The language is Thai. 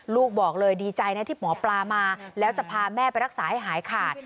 บอกเลยดีใจนะที่หมอปลามาแล้วจะพาแม่ไปรักษาให้หายขาด